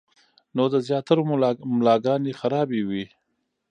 نو د زياترو ملاګانې خرابې وي -